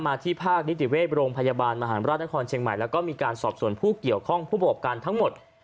มาที่ภาคนิติเวฟโรงพยาบาลมาหันภรรภ์ด้านคลอนเชียงใหม่และสอบส่วนผู้เกี่ยวของผู้ประกับการทั้งหมด